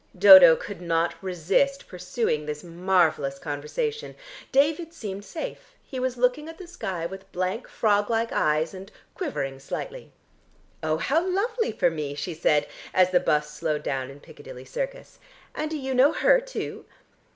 Dodo could not resist pursuing this marvellous conversation. David seemed safe, he was looking at the sky with blank frog like eyes, and quivering slightly. "Oh, how lovely for me!" she said, as the bus slowed down in Piccadilly Circus. "And do you know her too?"